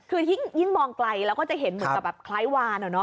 คือที่ยิ่งมองไกลเราก็จะเห็นเหมือนกับคล้ายวานเหรอเนอะ